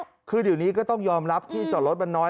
ตั้งแต่บ้านนี้ก็ต้องยอมที่จอดรถมันน้อย